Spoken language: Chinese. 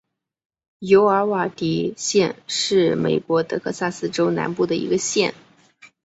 尤瓦尔迪县是美国德克萨斯州南部的一个县。